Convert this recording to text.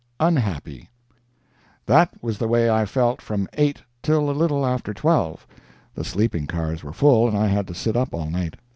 UNHAPPY That was the way I felt from eight till a little after twelve; (the sleeping cars were full and I had to sit up all night.)